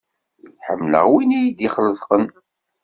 Ḥemmleɣ wina iyi-d-ixelqen.